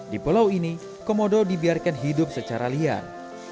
di pulau ini komodo dibiarkan hidup secara liar